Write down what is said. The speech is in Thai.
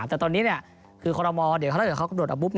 แต่ตอนนี้คือคอลโรมอลเดี๋ยวถ้าเขาโดดออกปุ๊บ